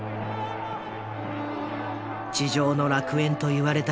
「地上の楽園」といわれた